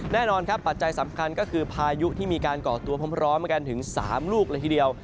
แน่นอนครับปัจจัยสำคัญก็คือพายุที่มีการก่อตัวพร้อมกันถึง๓ลูกเลยทีเดียว